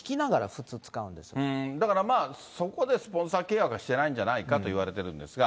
だから、まあ、そこでスポンサー契約はしてないんじゃないかといわれてるんですが。